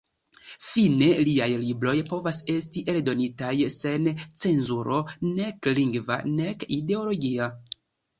Fine liaj libroj povas esti eldonitaj sen cenzuro, nek lingva nek ideologia.